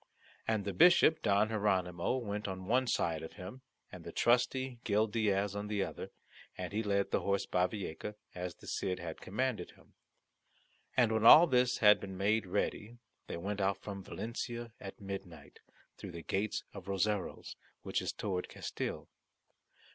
And the Bishop Don Hieronymo went on one side of him, and the trusty Gil Diaz on the other, and he led the horse Bavieca, as the Cid had commanded him. And when all this had been made ready, they went out from Valencia at midnight, through the gate of Roseros, which is towards Castille.